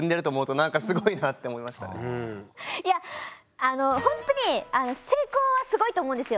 いやほんとに成功はすごいと思うんですよ。